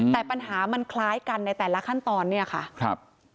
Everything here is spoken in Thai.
แต่ปัญหามันคล้ายกันในแต่ละขั้นตอนเนี่ยค่ะครับ